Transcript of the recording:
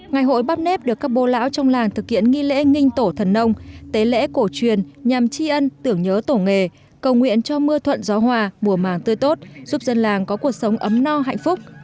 ngày hội bắp nếp được các bô lão trong làng thực hiện nghi lễ nghinh tổ thần nông tế lễ cổ truyền nhằm tri ân tưởng nhớ tổ nghề cầu nguyện cho mưa thuận gió hòa mùa màng tươi tốt giúp dân làng có cuộc sống ấm no hạnh phúc